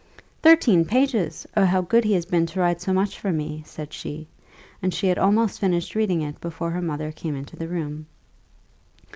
"Thirteen pages! Oh, how good he has been to write so much for me!" said she; and she had almost finished reading it before her mother came into the room.